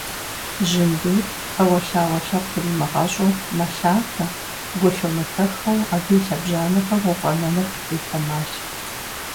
Жьындур, Iэуэлъауэ лъэпкъ иримыгъэщIу, мэлъатэ, гу лъумытэххэу абы и лъэбжьанэхэм уфIэнэныр бетэмалщ.